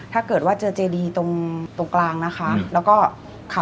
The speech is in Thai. ถ้าเกิดว่าเจอเฏยรีตรงกลางนะคะ